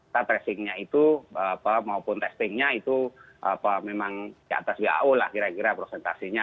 tertressingnya itu maupun testingnya itu memang di atas wau lah kira kira presentasinya